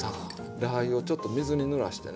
ラー油をちょっと水にぬらしてね。